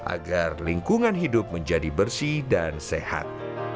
agar lingkungan hidup menjadi bersih dan sehat